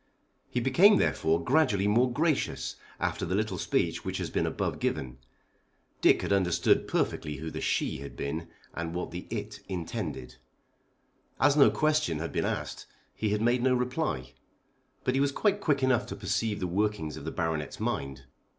He became therefore gradually more gracious after the little speech which has been above given. Dick had understood perfectly who the "she" had been, and what was the "it" intended. As no question had been asked he had made no reply, but he was quite quick enough to perceive the working of the Baronet's mind.